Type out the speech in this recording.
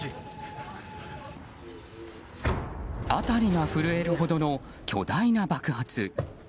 辺りが震えるほどの巨大な爆発。